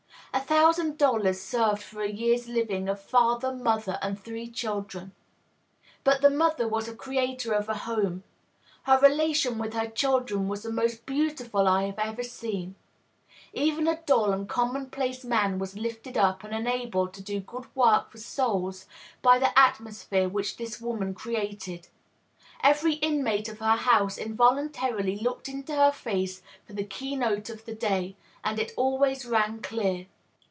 A thousand dollars served for a year's living of father, mother, and three children. But the mother was a creator of a home; her relation with her children was the most beautiful I have ever seen; even a dull and commonplace man was lifted up and enabled to do good work for souls, by the atmosphere which this woman created; every inmate of her house involuntarily looked into her face for the key note of the day; and it always rang clear.